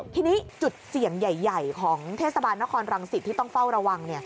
ทีนี้จุดเสี่ยงใหญ่ของเทศบาลนครรังสิตที่ต้องเฝ้าระวัง